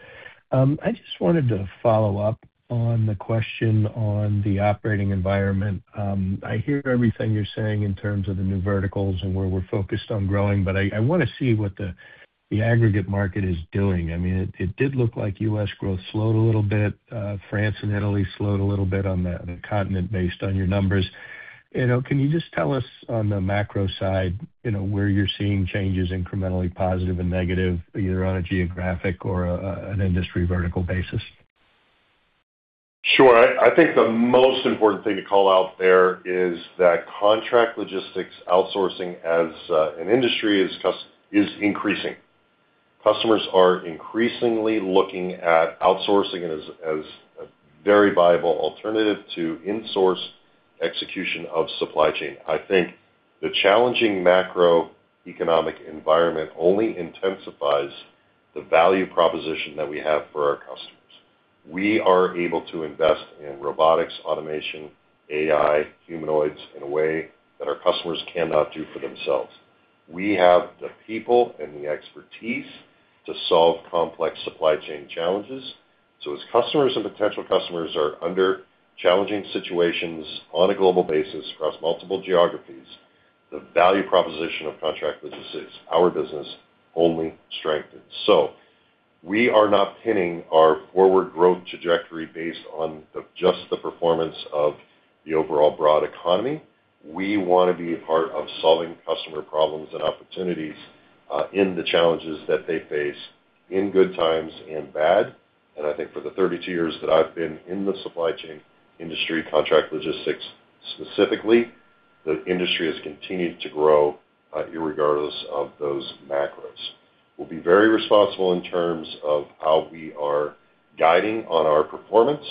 I just wanted to follow up on the question on the operating environment. I hear everything you're saying in terms of the new verticals and where we're focused on growing, but I wanna see what the aggregate market is doing. I mean, it did look like U.S. growth slowed a little bit. France and Italy slowed a little bit on the continent based on your numbers. You know, can you just tell us on the macro side, you know, where you're seeing changes incrementally, positive and negative, either on a geographic or an industry vertical basis? Sure. I think the most important thing to call out there is that contract logistics outsourcing as an industry is increasing. Customers are increasingly looking at outsourcing as a very viable alternative to insource execution of supply chain. I think the challenging macroeconomic environment only intensifies the value proposition that we have for our customers. We are able to invest in robotics, automation, AI, humanoids in a way that our customers cannot do for themselves. We have the people and the expertise to solve complex supply chain challenges. So as customers and potential customers are under challenging situations on a global basis across multiple geographies, the value proposition of contract logistics, our business, only strengthens. So we are not pinning our forward growth trajectory based on just the performance of the overall broad economy. We wanna be a part of solving customer problems and opportunities, in the challenges that they face in good times and bad. And I think for the 32 years that I've been in the supply chain industry, contract logistics specifically, the industry has continued to grow, irregardless of those macros. We'll be very responsible in terms of how we are guiding on our performance,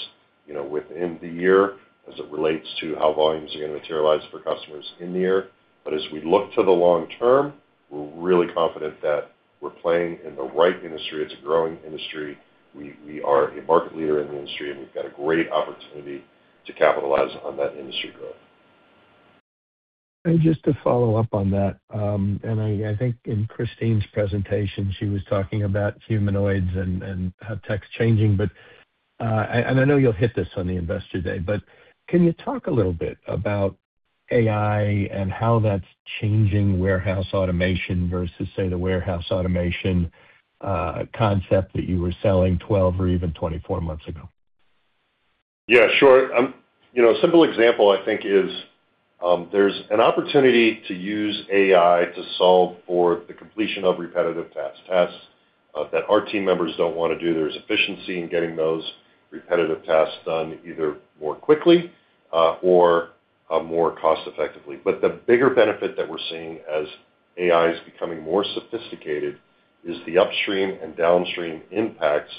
you know, within the year, as it relates to how volumes are gonna materialize for customers in the year. But as we look to the long term, we're really confident that we're playing in the right industry. It's a growing industry. We are a market leader in the industry, and we've got a great opportunity to capitalize on that industry growth. Just to follow up on that, and I think in Kristine's presentation, she was talking about humanoids and how tech's changing. But, and I know you'll hit this on the Investor Day, but can you talk a little bit about AI and how that's changing warehouse automation versus, say, the warehouse automation concept that you were selling 12 or even 24 months ago? Yeah, sure. You know, a simple example I think is, there's an opportunity to use AI to solve for the completion of repetitive tasks that our team members don't wanna do. There's efficiency in getting those repetitive tasks done either more quickly or more cost effectively. But the bigger benefit that we're seeing as AI is becoming more sophisticated is the upstream and downstream impacts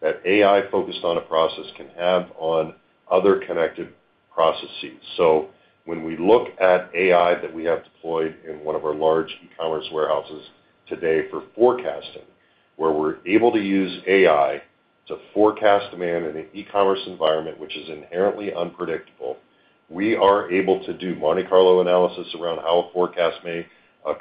that AI focused on a process can have on other connected processes. So when we look at AI that we have deployed in one of our large e-commerce warehouses today for forecasting, where we're able to use AI to forecast demand in an e-commerce environment, which is inherently unpredictable, we are able to do Monte Carlo analysis around how a forecast may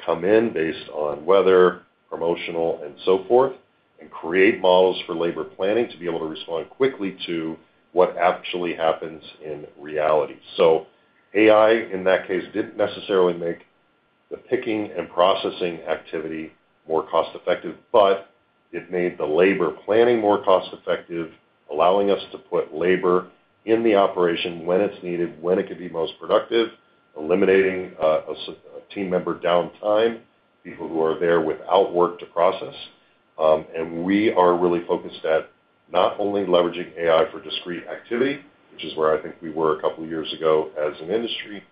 come in based on weather, promotional, and so forth, and create models for labor planning to be able to respond quickly to what actually happens in reality. So AI, in that case, didn't necessarily make the picking and processing activity more cost effective, but it made the labor planning more cost effective, allowing us to put labor in the operation when it's needed, when it could be most productive, eliminating a team member downtime, people who are there without work to process. And we are really focused at not only leveraging AI for discrete activity, which is where I think we were a couple of years ago as an industry,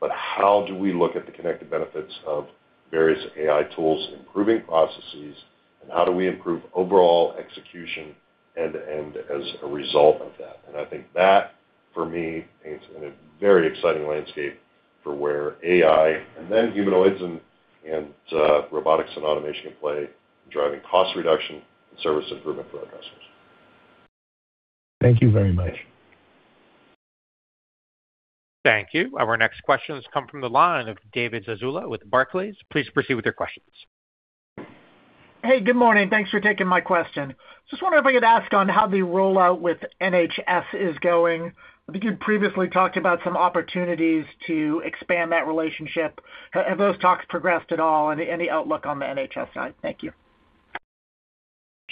but how do we look at the connected benefits of various AI tools, improving processes, and how do we improve overall execution end-to-end as a result of that? I think that for me, it's in a very exciting landscape for where AI, and then humanoids, and robotics and automation can play in driving cost reduction and service improvement for our customers. Thank you very much. Thank you. Our next questions come from the line of David Zazula with Barclays. Please proceed with your questions. Hey, good morning. Thanks for taking my question. Just wondering if I could ask on how the rollout with NHS is going. I think you previously talked about some opportunities to expand that relationship. Have those talks progressed at all, and any outlook on the NHS side? Thank you.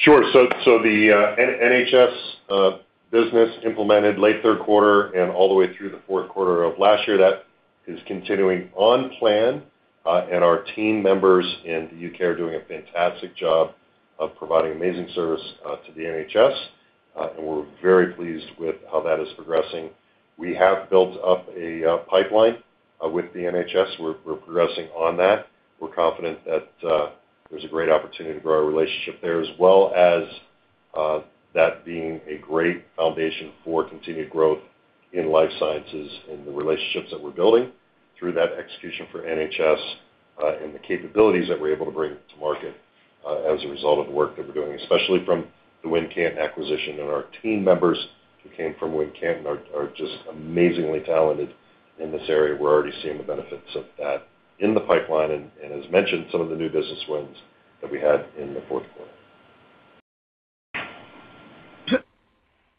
Sure. So the NHS business implemented late third quarter and all the way through the fourth quarter of last year, that is continuing on plan, and our team members in the UK are doing a fantastic job of providing amazing service to the NHS, and we're very pleased with how that is progressing. We have built up a pipeline with the NHS. We're progressing on that. We're confident that there's a great opportunity to grow our relationship there, as well as that being a great foundation for continued growth in life sciences and the relationships that we're building through that execution for NHS, and the capabilities that we're able to bring to market as a result of the work that we're doing, especially from the Wincanton acquisition. Our team members who came from Wincanton are just amazingly talented in this area. We're already seeing the benefits of that in the pipeline, and as mentioned, some of the new business wins that we had in the fourth quarter.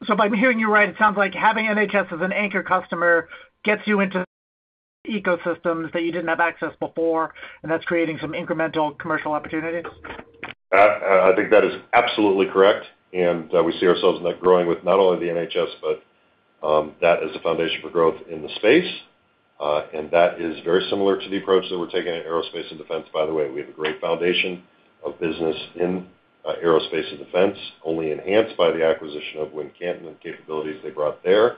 So if I'm hearing you right, it sounds like having NHS as an anchor customer gets you into ecosystems that you didn't have access before, and that's creating some incremental commercial opportunities? I think that is absolutely correct, and we see ourselves not growing with not only the NHS, but that as a foundation for growth in the space. And that is very similar to the approach that we're taking in aerospace and defense, by the way. We have a great foundation of business in aerospace and defense, only enhanced by the acquisition of Wincanton and the capabilities they brought there,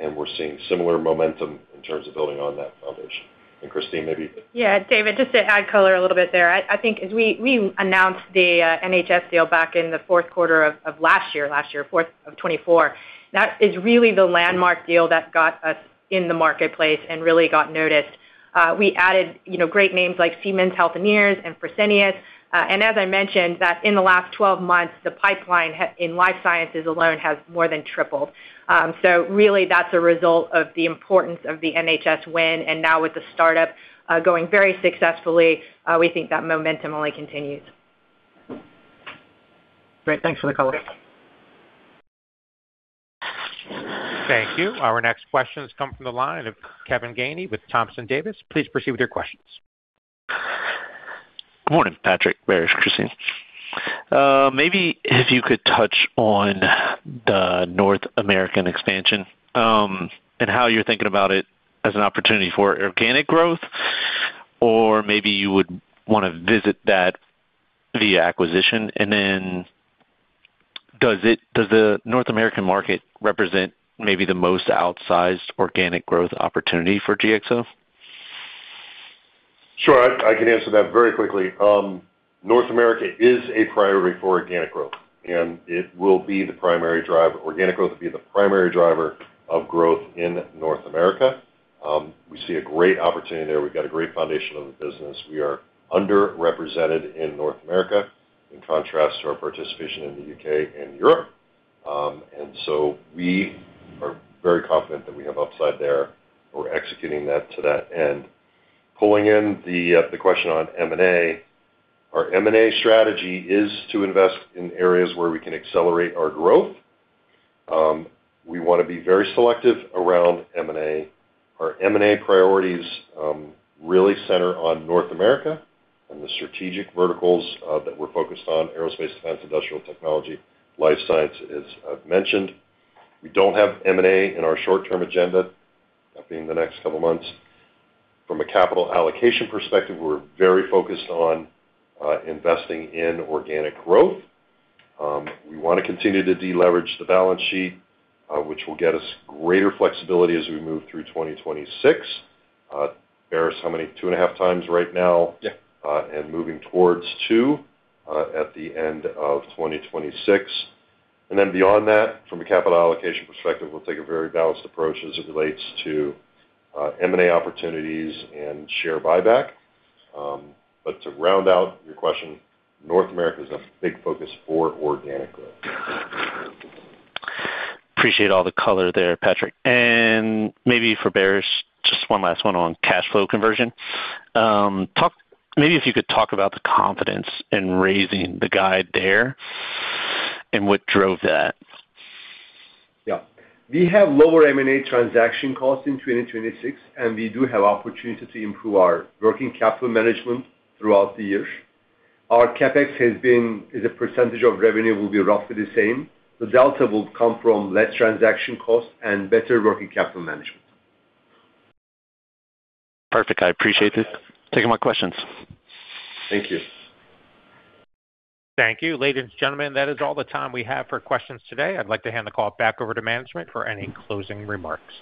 and we're seeing similar momentum in terms of building on that foundation. And Kristine, maybe Yeah, David, just to add color a little bit there. I think as we announced the NHS deal back in the fourth quarter of last year, fourth quarter of 2024, that is really the landmark deal that got us in the marketplace and really got noticed. We added, you know, great names like Siemens Healthineers and Fresenius. And as I mentioned, that in the last 12 months, the pipeline in life sciences alone has more than tripled. So really, that's a result of the importance of the NHS win, and now with the startup going very successfully, we think that momentum only continues. Great. Thanks for the color. Thank you. Our next questions come from the line of Kevin Gainey with Thompson Davis. Please proceed with your questions. Good morning, Patrick, Baris, Kristine. Maybe if you could touch on the North American expansion, and how you're thinking about it as an opportunity for organic growth, or maybe you would wanna visit that via acquisition. And then does the North American market represent maybe the most outsized organic growth opportunity for GXO? Sure, I, I can answer that very quickly. North America is a priority for organic growth, and it will be the primary driver. Organic growth will be the primary driver of growth in North America. We see a great opportunity there. We've got a great foundation of the business. We are underrepresented in North America, in contrast to our participation in the UK and Europe. And so we are very confident that we have upside there. We're executing that to that end. Pulling in the, the question on M&A, our M&A strategy is to invest in areas where we can accelerate our growth. We wanna be very selective around M&A. Our M&A priorities really center on North America and the strategic verticals that we're focused on, aerospace, defense, industrial technology, life science, as I've mentioned. We don't have M&A in our short-term agenda, that being the next couple of months. From a capital allocation perspective, we're very focused on investing in organic growth. We wanna continue to deleverage the balance sheet, which will get us greater flexibility as we move through 2026. Baris, how many? 2.5x right now Yeah. Moving towards 2x at the end of 2026. And then beyond that, from a capital allocation perspective, we'll take a very balanced approach as it relates to M&A opportunities and share buyback. But to round out your question, North America is a big focus for organic growth. Appreciate all the color there, Patrick. And maybe for Baris, just one last one on cash flow conversion. Maybe if you could talk about the confidence in raising the guide there and what drove that. Yeah. We have lower M&A transaction costs in 2026, and we do have opportunity to improve our working capital management throughout the years. Our CapEx has been, as a percentage of revenue, will be roughly the same. The delta will come from less transaction costs and better working capital management. Perfect. I appreciate it. Taking my questions. Thank you. Thank you. Ladies and gentlemen, that is all the time we have for questions today. I'd like to hand the call back over to management for any closing remarks.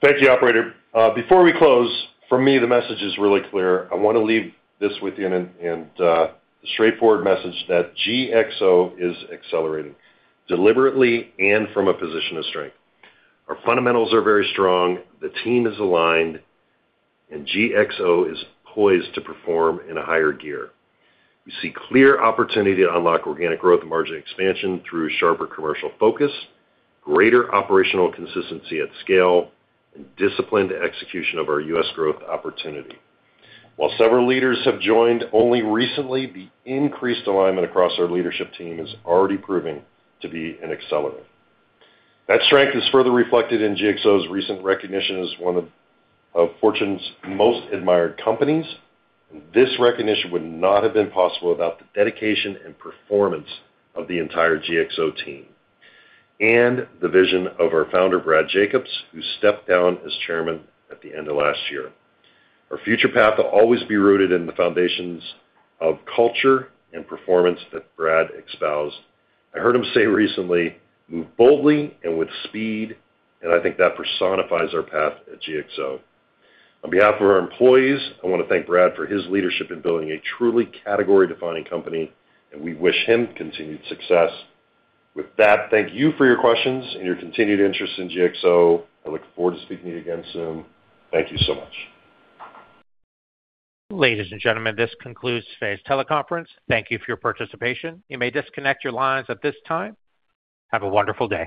Thank you, operator. Before we close, for me, the message is really clear. I wanna leave this with you, and a straightforward message that GXO is accelerating, deliberately and from a position of strength. Our fundamentals are very strong, the team is aligned, and GXO is poised to perform in a higher gear. We see clear opportunity to unlock organic growth and margin expansion through sharper commercial focus, greater operational consistency at scale, and disciplined execution of our U.S. growth opportunity. While several leaders have joined only recently, the increased alignment across our leadership team is already proving to be an accelerant. That strength is further reflected in GXO's recent recognition as one of Fortune's most admired companies. This recognition would not have been possible without the dedication and performance of the entire GXO team and the vision of our founder, Brad Jacobs, who stepped down as chairman at the end of last year. Our future path will always be rooted in the foundations of culture and performance that Brad espoused. I heard him say recently, "Move boldly and with speed," and I think that personifies our path at GXO. On behalf of our employees, I wanna thank Brad for his leadership in building a truly category-defining company, and we wish him continued success. With that, thank you for your questions and your continued interest in GXO. I look forward to speaking to you again soon. Thank you so much. Ladies and gentlemen, this concludes today's teleconference. Thank you for your participation. You may disconnect your lines at this time. Have a wonderful day.